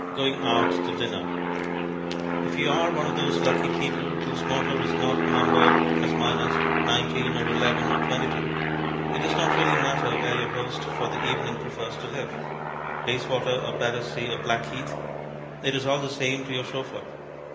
Going Out to Dinner If you are one of those lucky people whose motor is not numbered (as mine is) 19 or 11 or 22, it does not really matter where your host for the evening prefers to live; Bayswater or Battersea or Blackheath it is all the same to your chauffeur.